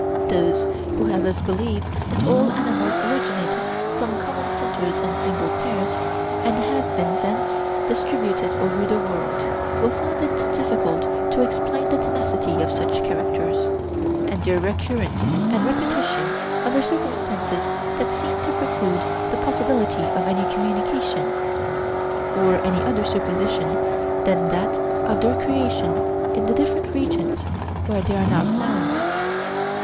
Those who would have us believe that all animals originated from common centres and single pairs, and have been thence distributed over the world, will find it difficult to explain the tenacity of such characters, and their recurrence and repetition under circumstances that seem to preclude the possibility of any communication, on any other supposition than that of their creation in the different regions where they are now found.